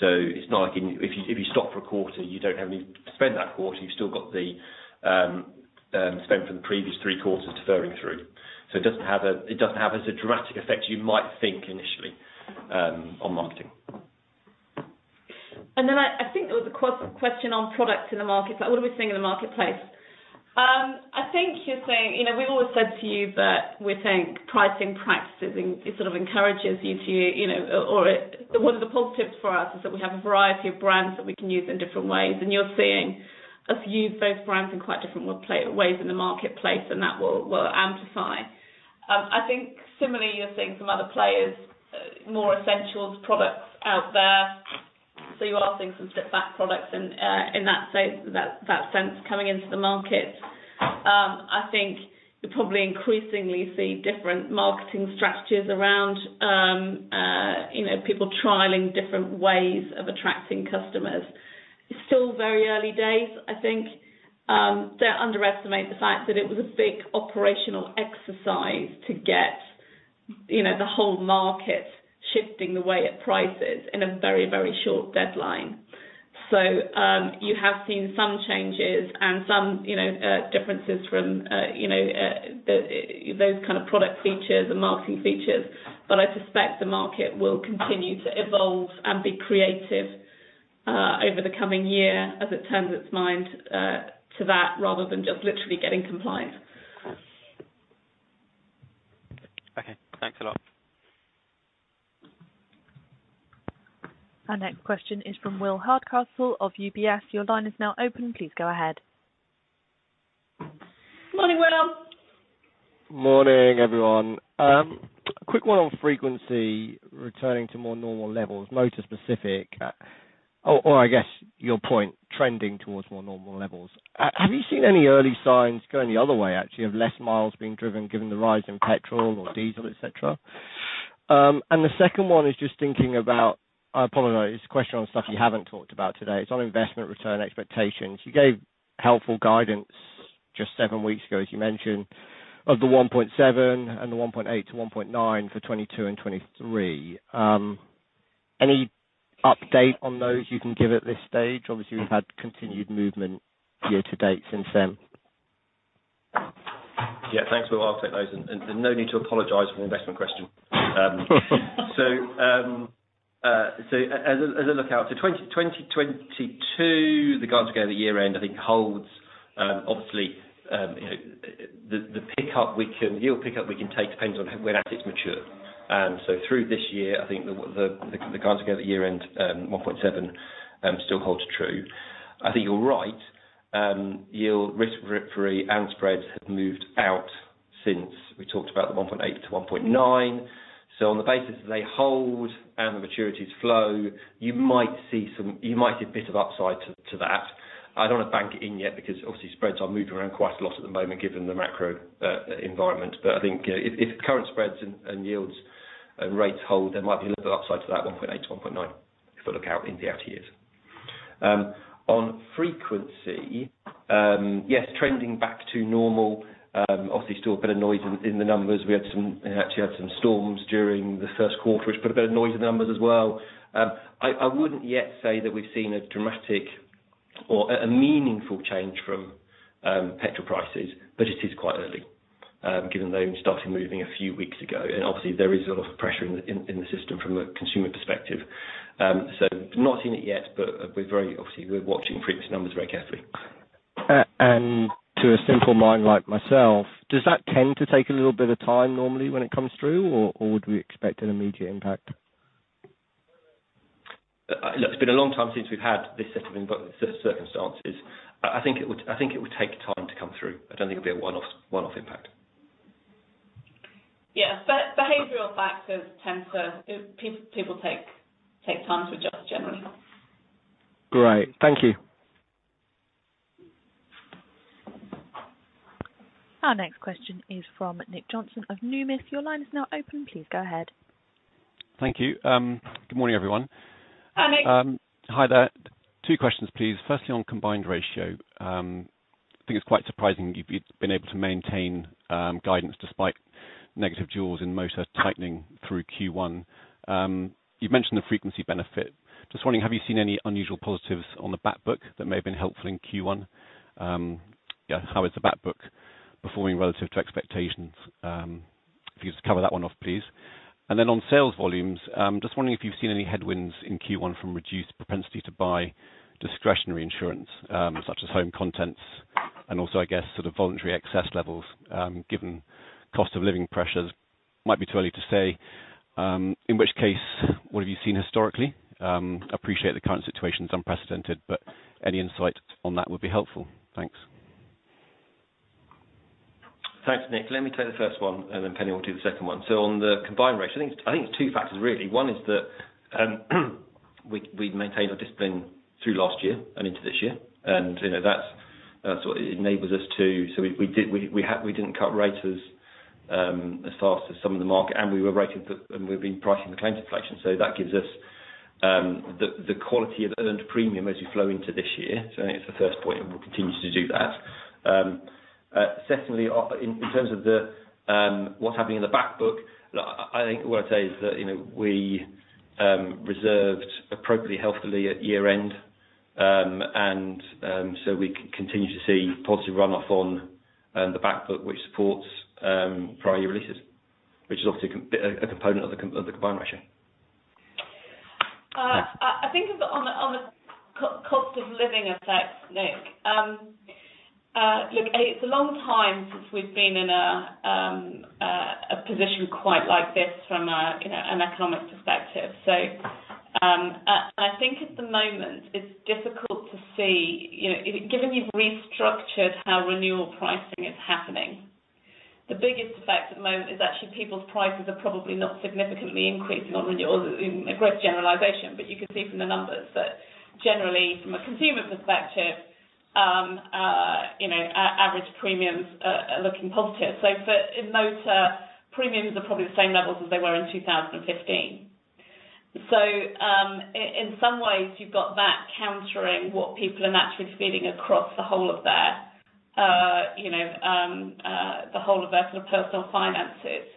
D: It's not like if you stop for a quarter, you don't have any spend that quarter. You've still got the spend from the previous three quarters deferring through. It doesn't have as a dramatic effect you might think initially on marketing.
B: I think there was a question on products in the marketplace. What are we seeing in the marketplace? I think you're seeing, you know, we've always said to you that we think pricing practices, it sort of encourages you to, you know, or one of the positives for us is that we have a variety of brands that we can use in different ways. You're seeing us use those brands in quite different ways in the marketplace, and that will amplify. I think similarly, you're seeing some other players, more essential products out there. You are seeing some step back products in that sense coming into the market. I think you'll probably increasingly see different marketing strategies around, you know, people trialing different ways of attracting customers. It's still very early days, I think. Don't underestimate the fact that it was a big operational exercise to get, you know, the whole market shifting the way it prices in a very, very short deadline. You have seen some changes and some, you know, differences from, you know, those kind of product features and marketing features. I suspect the market will continue to evolve and be creative over the coming year as it turns its mind to that rather than just literally getting compliant.
J: Okay. Thanks a lot.
A: Our next question is from Will Hardcastle of UBS. Your line is now open. Please go ahead.
B: Morning, Will.
K: Morning, everyone. Quick one on frequency returning to more normal levels, motor specific, I guess your point trending towards more normal levels. Have you seen any early signs going the other way, actually, of less miles being driven given the rise in petrol or diesel, etc.? The second one is just thinking about, I apologize, a question on stuff you haven't talked about today. It's on investment return expectations. You gave helpful guidance just seven weeks ago, as you mentioned, of the 1.7 and the 1.8-1.9 for 2022 and 2023. Any update on those you can give at this stage? Obviously, you've had continued movement year to date since then.
D: Yeah, thanks, Will. I'll take those. No need to apologize for an investment question. As a look ahead to 2022, the guidance we gave at the year-end, I think holds. Obviously, the yield pickup we can take depends on when it is mature. Through this year, I think the guidance we gave at the year-end, 1.7, still holds true. I think you're right, yields, risk-free and spreads have moved out since we talked about the 1.8-1.9. On the basis that they hold and the maturities flow, you might see a bit of upside to that. I don't want to bank it in yet because obviously spreads are moving around quite a lot at the moment given the macro environment. I think if current spreads and yields and rates hold, there might be a little bit of upside to that 1.8-1.9 if I look out in the out years. On frequency, yes, trending back to normal, obviously still a bit of noise in the numbers. We actually had some storms during the first quarter which put a bit of noise in the numbers as well. I wouldn't yet say that we've seen a dramatic or a meaningful change from petrol prices, but it is quite early given they only started moving a few weeks ago. Obviously there is a lot of pressure in the system from a consumer perspective. Not seeing it yet, but we're very obviously watching frequency numbers very carefully.
K: To a simple mind like myself, does that tend to take a little bit of time normally when it comes through, or would we expect an immediate impact?
D: Look, it's been a long time since we've had this set of circumstances. I think it would take time to come through. I don't think it'll be a one-off impact.
B: Yeah. Behavioral factors tend to, people take time to adjust generally.
K: Great. Thank you.
A: Our next question is from Nick Johnson of Numis. Your line is now open. Please go ahead.
L: Thank you. Good morning, everyone.
B: Hi, Nick.
L: Hi there. Two questions, please. Firstly, on combined ratio, I think it's quite surprising you've been able to maintain guidance despite negative yields in motor tightening through Q1. You've mentioned the frequency benefit. Just wondering, have you seen any unusual positives on the back book that may have been helpful in Q1. Yeah. How is the back book performing relative to expectations? If you just cover that one off, please. On sales volumes, just wondering if you've seen any headwinds in Q1 from reduced propensity to buy discretionary insurance, such as home contents and also, I guess, sort of voluntary excess levels, given cost of living pressures. Might be too early to say. In which case, what have you seen historically? Appreciate the current situation is unprecedented, but any insight on that would be helpful. Thanks.
D: Thanks, Nick. Let me take the first one, and then Penny will do the second one. On the combined ratio, I think it's two factors, really. One is that we maintained our discipline through last year and into this year. You know, that's sort of enables us to. We didn't cut rates as fast as some of the market, and we've been pricing the claims inflation. That gives us the quality of earned premium as we flow into this year. I think it's the first point, and we'll continue to do that. Secondly, in terms of what's happening in the back book, I think what I'd say is that you know, we reserved appropriately healthily at year-end. We continue to see positive run off on the back book which supports prior year releases, which is obviously a component of the combined ratio.
B: I think of the on the cost of living effects, Nick, look, it's a long time since we've been in a position quite like this from a you know an economic perspective. I think at the moment it's difficult to see, you know, given you've restructured how renewal pricing is happening, the biggest effect at the moment is actually people's prices are probably not significantly increasing on renewals. A gross generalization, but you can see from the numbers that generally from a consumer perspective, you know, average premiums are looking positive. For in motor, premiums are probably the same levels as they were in 2015. In some ways you've got that countering what people are naturally feeling across the whole of their sort of personal finances.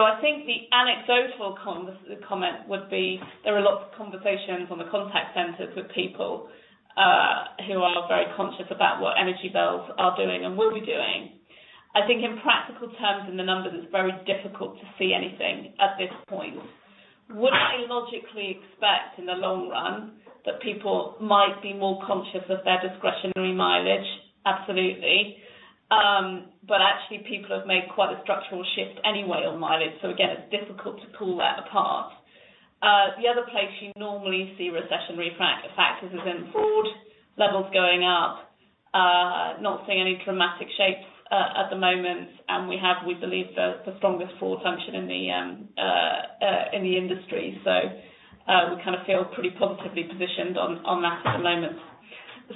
B: I think the comment would be there are lots of conversations on the contact centers with people who are very conscious about what energy bills are doing and will be doing. I think in practical terms, in the numbers, it's very difficult to see anything at this point. Would I logically expect in the long run that people might be more conscious of their discretionary mileage? Absolutely. Actually, people have made quite a structural shift anyway on mileage. Again, it's difficult to pull that apart. The other place you normally see recessionary factors is in fraud levels going up. Not seeing any dramatic shifts at the moment. We have, we believe, the strongest fraud function in the industry. We kind of feel pretty positively positioned on that at the moment.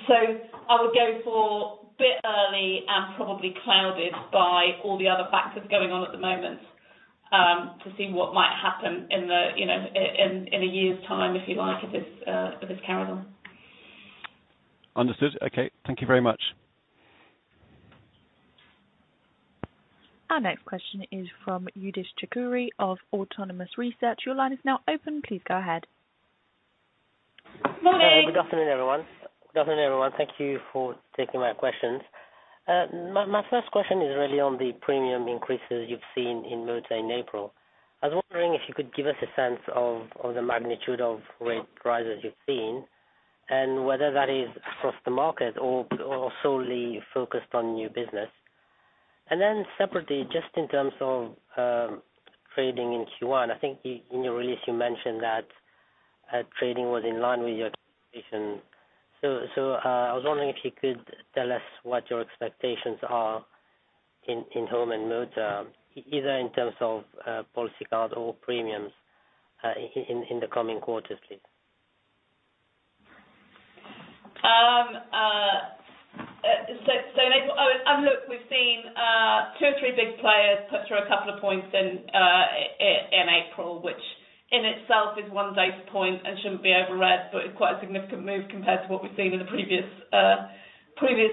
B: I would say it's a bit early and probably clouded by all the other factors going on at the moment to see what might happen in a year's time, if you like, if this carries on.
L: Understood. Okay. Thank you very much.
A: Our next question is from Youdish Chicooree of Autonomous Research. Your line is now open. Please go ahead.
B: Morning.
M: Good afternoon, everyone. Thank you for taking my questions. My first question is really on the premium increases you've seen in motor in April. I was wondering if you could give us a sense of the magnitude of rate rises you've seen and whether that is across the market or solely focused on new business. Separately, just in terms of trading in Q1, I think in your release you mentioned that trading was in line with your expectations. I was wondering if you could tell us what your expectations are in home and motor, either in terms of policy count or premiums in the coming quarters, please.
B: In April. Oh, and look, we've seen two or three big players put through a couple of points in April, which in itself is one data point and shouldn't be overread, but it's quite a significant move compared to what we've seen in the previous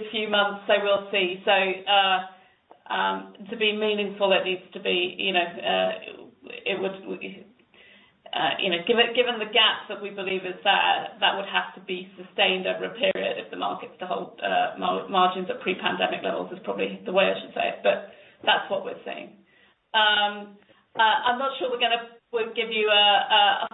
B: few months. We'll see. To be meaningful, it needs to be, you know, it would, you know, given the gap that we believe is there, that would have to be sustained over a period if the market's to hold margins at pre-pandemic levels, is probably the way I should say it, but that's what we're seeing. I'm not sure we'd give you a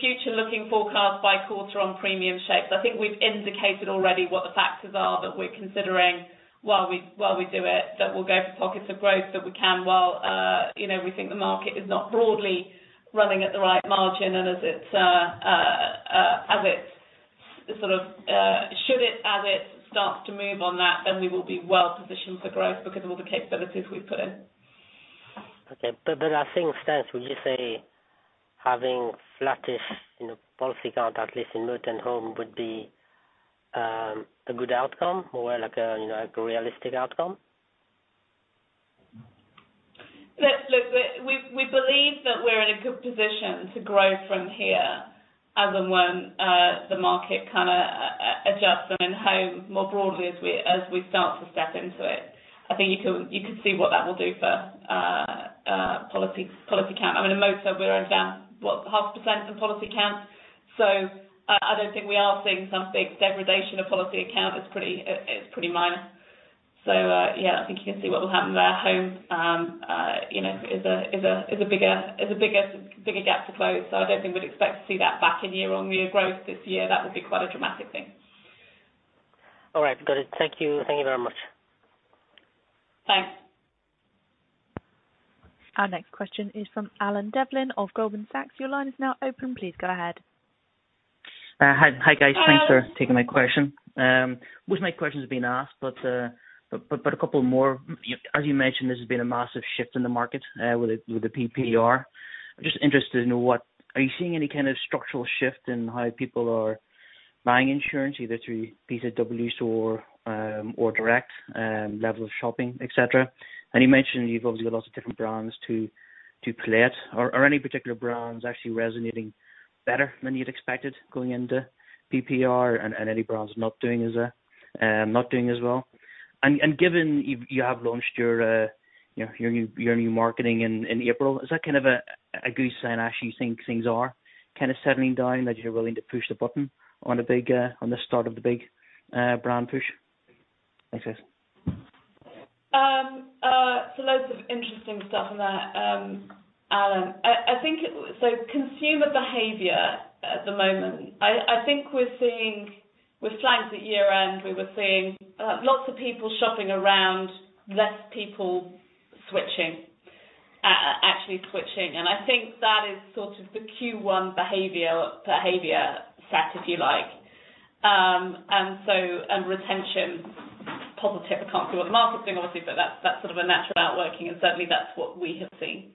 B: future-looking forecast by quarter on premium shapes. I think we've indicated already what the factors are that we're considering while we do it, that we'll go for pockets of growth that we can while, you know, we think the market is not broadly running at the right margin and as it starts to move on that, then we will be well positioned for growth because of all the capabilities we've put in.
M: I think, Stan, would you say having flattish, you know, policy count, at least in motor and home, would be a good outcome? More like a, you know, a realistic outcome?
B: Look, we believe that we're in a good position to grow from here as and when the market kinda adjusts and in home more broadly as we start to step into it. I think you can see what that will do for policy count. I mean, in motor we're only down, what, 0.5% in policy count. I don't think we are seeing some big degradation of policy count. It's pretty minor. Yeah, I think you can see what will happen there. Home, you know, is a bigger gap to close. I don't think we'd expect to see that back in year-on-year growth this year. That would be quite a dramatic thing.
M: All right. Got it. Thank you. Thank you very much.
B: Thanks.
A: Our next question is from Alan Devlin of Goldman Sachs. Your line is now open. Please go ahead.
N: Hi. Hi, guys.
B: Hello.
N: Thanks for taking my question. Most of my questions have been asked, but a couple more. As you mentioned, this has been a massive shift in the market with the PPR. I'm just interested in what are you seeing any kind of structural shift in how people are buying insurance, either through PCW or direct, level of shopping, et cetera. You mentioned you've obviously got lots of different brands to play at. Are any particular brands actually resonating better than you'd expected going into PPR and any brands not doing as well? Given you have launched your new marketing in April, is that kind of a good sign as you think things are kinda settling down, that you're willing to push the button on the start of the big brand push? Thanks, guys.
B: Loads of interesting stuff in there, Alan. I think consumer behavior at the moment, I think we're seeing with Green Flag at year-end, we were seeing lots of people shopping around, less people switching, actually switching. I think that is sort of the Q1 behavior set, if you like. Retention positive. I can't see what the market's doing, obviously, but that's sort of a natural outworking, and certainly that's what we have seen.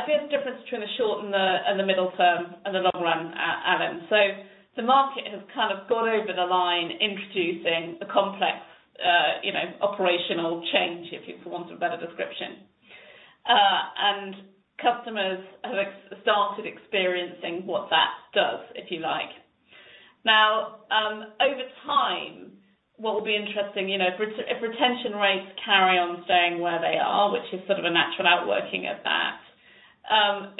B: I think there's a difference between the short and the middle term and the long run, Alan. The market has kind of gone over the line introducing a complex, you know, operational change if you want a better description. Customers have started experiencing what that does, if you like. Now, over time, what will be interesting, you know, if retention rates carry on staying where they are, which is sort of a natural outworking of that,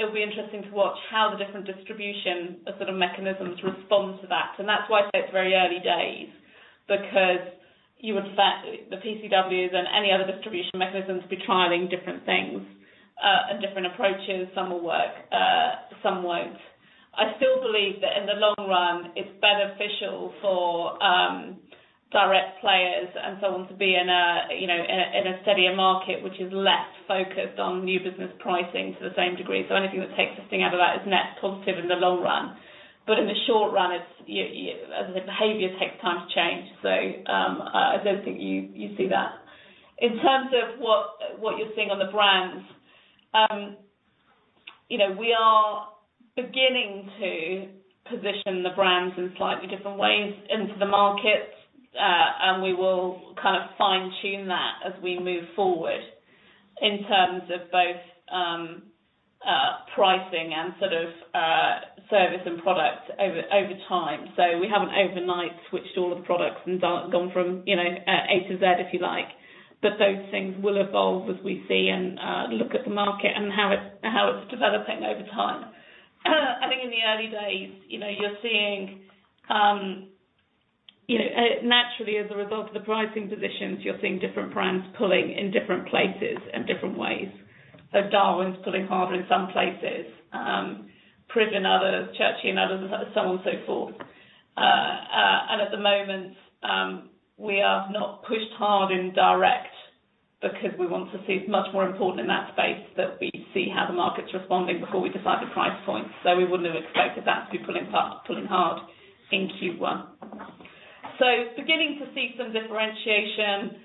B: it'll be interesting to watch how the different distribution sort of mechanisms respond to that. That's why I say it's very early days because you would expect the PCWs and any other distribution mechanisms to be trialing different things, and different approaches. Some will work, some won't. I still believe that in the long run it's beneficial for direct players and so on to be in a steadier market which is less focused on new business pricing to the same degree. Anything that takes this thing out of that is net positive in the long run. In the short run, as I said, behavior takes time to change. I don't think you see that. In terms of what you're seeing on the brands, you know, we are beginning to position the brands in slightly different ways into the market. We will kind of fine-tune that as we move forward in terms of both pricing and sort of service and product over time. We haven't overnight switched all the products from A to Z, if you like. Those things will evolve as we see and look at the market and how it's developing over time. I think in the early days, you know, you're seeing, you know. Naturally, as a result of the pricing positions, you're seeing different brands pulling in different places in different ways. Darwin's pulling hard in some places, Privilege in others, Churchill in others, so on and so forth. At the moment, we are not pushed hard in Direct because we want to see. It's much more important in that space that we see how the market's responding before we decide the price point. We wouldn't have expected that to be pulling hard in Q1. Beginning to see some differentiation,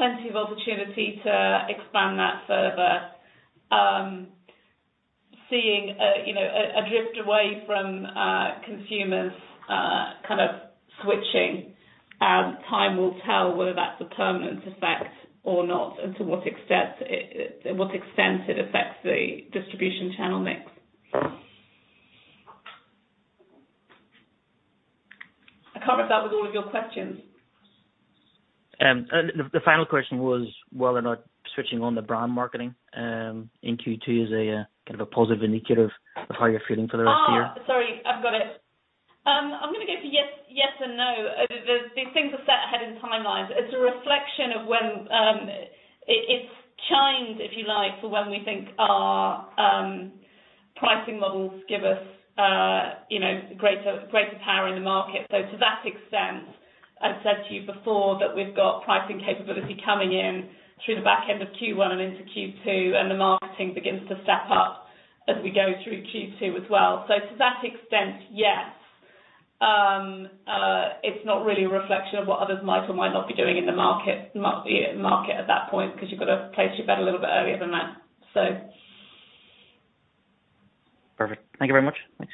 B: plenty of opportunity to expand that further. Seeing a drift away from consumers kind of switching. Time will tell whether that's a permanent effect or not and to what extent it affects the distribution channel mix. I covered that with all of your questions.
N: The final question was whether or not switching on the brand marketing in Q2 is a kind of a positive indicative of how you're feeling for the rest of the year.
B: Sorry. I've got it. I'm gonna go for yes and no. These things are set ahead in timelines. It's a reflection of when it's timed, if you like, for when we think our pricing models give us, you know, greater power in the market. So to that extent, I've said to you before that we've got pricing capability coming in through the back end of Q1 and into Q2, and the marketing begins to step up as we go through Q2 as well. So to that extent, yes. It's not really a reflection of what others might or might not be doing in the market at that point because you've got to place your bet a little bit earlier than that. So.
N: Perfect. Thank you very much. Thanks.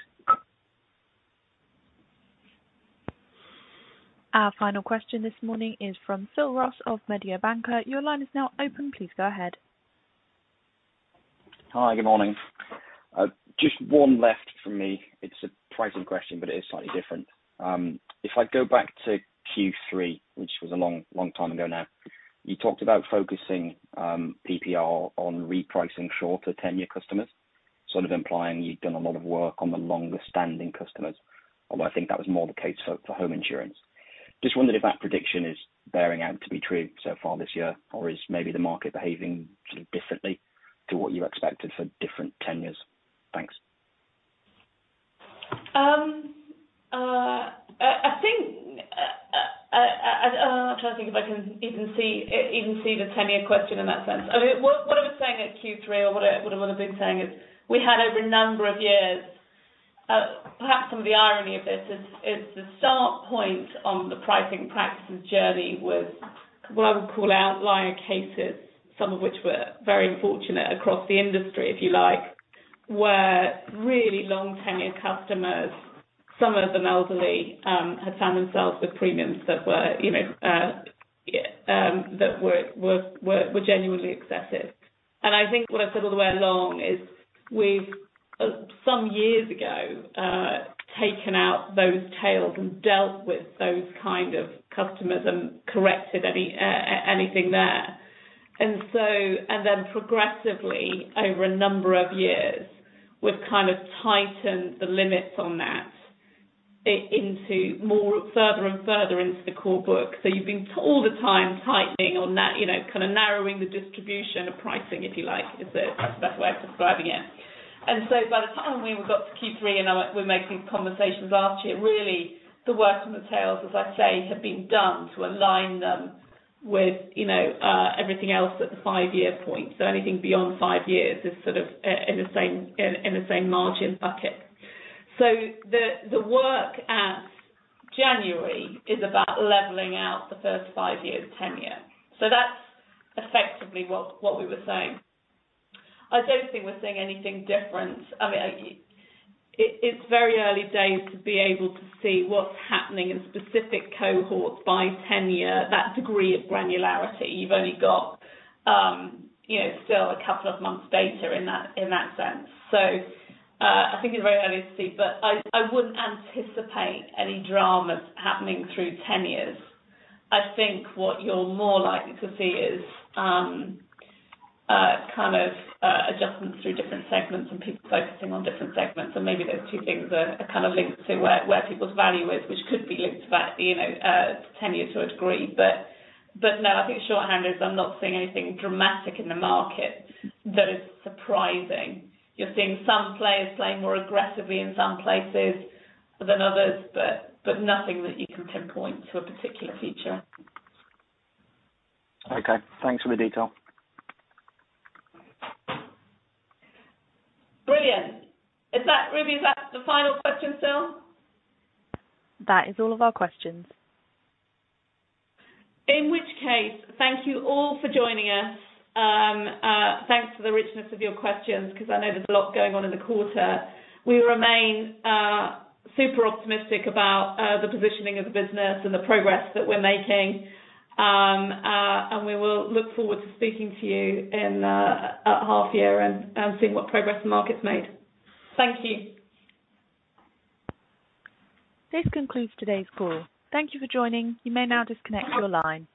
A: Our final question this morning is from Philip Ross of Mediobanca. Your line is now open. Please go ahead.
O: Hi. Good morning. Just one left from me. It's a pricing question, but it is slightly different. If I go back to Q3, which was a long, long time ago now, you talked about focusing PPR on repricing shorter tenure customers. Sort of implying you've done a lot of work on the longer standing customers. Although I think that was more the case for home insurance. Just wondered if that prediction is bearing out to be true so far this year, or is maybe the market behaving sort of differently to what you expected for different tenures? Thanks.
B: I think I'm trying to think if I can even see the tenure question in that sense. I mean, what I was saying at Q3 or what I would have been saying is we had over a number of years, perhaps some of the irony of this is the start point on the pricing practices journey was what I would call outlier cases, some of which were very unfortunate across the industry, if you like, were really long tenured customers. Some of them elderly, had found themselves with premiums that were, you know, that were genuinely excessive. I think what I've said all the way along is we've, some years ago, taken out those tails and dealt with those kind of customers and corrected anything there. Progressively over a number of years, we've kind of tightened the limits on that into further and further into the core book. We've been all the time tightening on that, you know, kind of narrowing the distribution of pricing, if you like, is the best way of describing it. By the time we got to Q3 and we were having conversations last year, really the work on the tails, as I say, had been done to align them with, you know, everything else at the five-year point. Anything beyond five years is sort of in the same margin bucket. The work in January is about leveling out the first five years tenure. That's effectively what we were saying. I don't think we're seeing anything different. I mean, it's very early days to be able to see what's happening in specific cohorts by tenure. That degree of granularity. You've only got, you know, still a couple of months data in that, in that sense. I think it's very early to see, but I wouldn't anticipate any dramas happening through tenures. I think what you're more likely to see is, kind of, adjustments through different segments and people focusing on different segments. Maybe those two things are kind of linked to where people's value is, which could be linked back, you know, tenure to a degree. No, I think shorthand is I'm not seeing anything dramatic in the market that is surprising. You're seeing some players playing more aggressively in some places than others, but nothing that you can pinpoint to a particular feature.
O: Okay. Thanks for the detail.
B: Brilliant. Is that Ruby, is that the final question, Phil?
A: That is all of our questions.
B: In which case, thank you all for joining us. Thanks for the richness of your questions because I know there's a lot going on in the quarter. We remain super optimistic about the positioning of the business and the progress that we're making. We will look forward to speaking to you in at half year and seeing what progress the market's made. Thank you.
A: This concludes today's call. Thank you for joining. You may now disconnect your line.